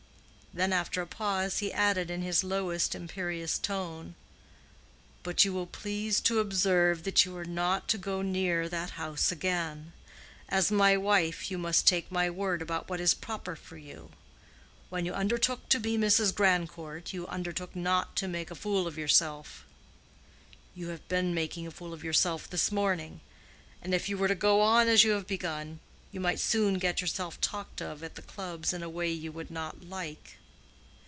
Then, after a pause, he added in his lowest imperious tone, "But you will please to observe that you are not to go near that house again. As my wife, you must take my word about what is proper for you. When you undertook to be Mrs. Grandcourt, you undertook not to make a fool of yourself. You have been making a fool of yourself this morning; and if you were to go on as you have begun, you might soon get yourself talked of at the clubs in a way you would not like.